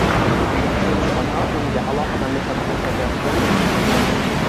O‘qituvchi opa unga alohida mehr ko‘rsatayotganday tuyuldi.